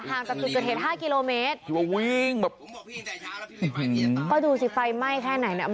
ทางจากจุดเห็นห้ากิโลเมตรวิ่งแบบก็ดูสิไฟไหม้แค่ไหนน่ะ